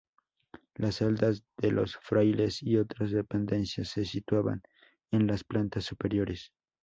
Las celdas de los frailes y otras dependencias se situaban en las plantas superiores.